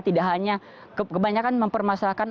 tidak hanya kebanyakan mempermasalahkan